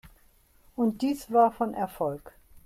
Und dies war von Erfolg.